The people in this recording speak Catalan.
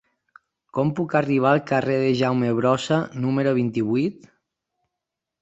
Com puc arribar al carrer de Jaume Brossa número vint-i-vuit?